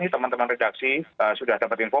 teman teman redaksi sudah dapat info